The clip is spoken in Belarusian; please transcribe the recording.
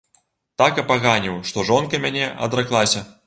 Так апаганіў, што жонка мяне адраклася.